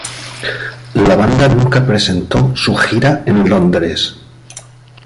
La banda nunca presentó su gira en Londres.